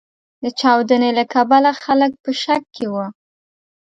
د چاودنې له کبله خلګ په شک کې و.